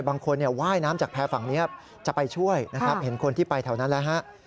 บางคนว่ายน้ำจากแพร่ฝั่งนี้จะไปช่วยนะครับเห็นคนที่ไปแถวนั้นแล้วฮะ